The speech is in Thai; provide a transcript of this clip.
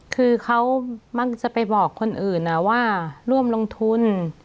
คือเขามักจะไปบอกคนอื่นว่าร่วมลงทุน